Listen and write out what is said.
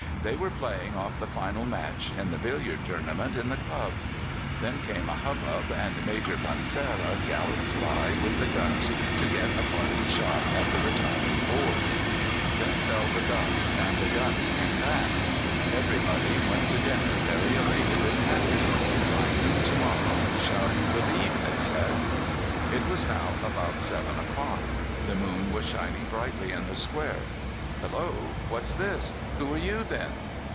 They were playing off the final match in the billiard tournament at the club. Then came a hubbub, and Major Pansera galloped by with the guns to get a parting shot at the retiring Boers. Then fell the dusk, and the guns came back. Everybody went to dinner very elated and happy. "By noon to morrow we shall be relieved," they said. It was now about seven o'clock; the moon was shining brightly in the square. "Hello! what's this? Who are you, then?"